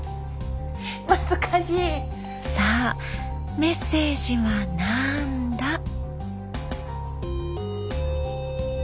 さあメッセージはなんだ？